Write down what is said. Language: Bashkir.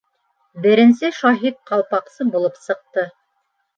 Беренсе шаһит Ҡалпаҡсы булып сыҡты.